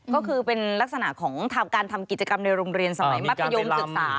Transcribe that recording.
ก็คือเป็นลักษณะของการทำกิจกรรมในโรงเรียนสมัยมัธยมศึกษา